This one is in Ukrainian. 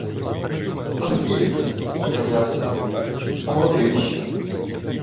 — Та скільки? — зам'явся той. — Молодий ще...